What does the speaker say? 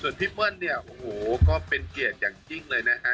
พี่เปิ้ลเนี่ยโอ้โหก็เป็นเกียรติอย่างยิ่งเลยนะฮะ